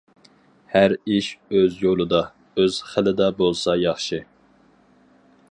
ھەر ئىش ئۆز يولىدا، ئۆز خىلىدا بولسا ياخشى.